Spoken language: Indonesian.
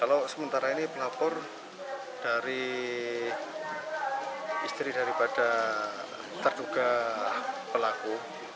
kalau sementara ini pelapor dari istri daripada terduga pelaku